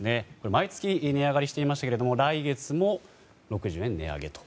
毎月値上がりしていましたが来月も６０円値上げと。